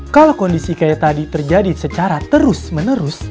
kalau kondisi kayak tadi terjadi secara terus menerus